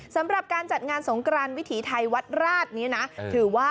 สำหรับการจัดงานสงกรานวิถีไทยวัดราชนี้นะถือว่า